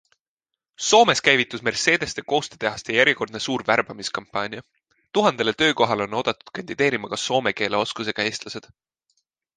Soomes käivitus Mercedeste koostetehase järjekordne suur värbamiskampaania; tuhandele töökohale on oodatud kandideerima ka soome keele oskusega eestlased.